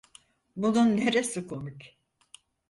Bunun neresi komik?